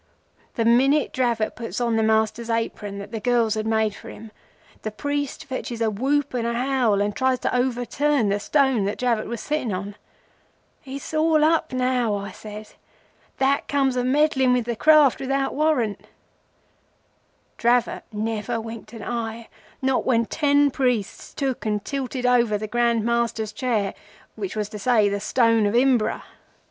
The minute Dravot puts on the Master's apron that the girls had made for him, the priest fetches a whoop and a howl, and tries to overturn the stone that Dravot was sitting on. 'It's all up now,' I says. 'That comes of meddling with the Craft without warrant!' Dravot never winked an eye, not when ten priests took and tilted over the Grand Master's chair—which was to say the stone of Imbra.